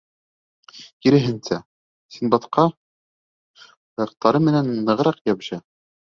Киреһенсә, Синдбадҡа аяҡтары менән нығыраҡ йәбешә.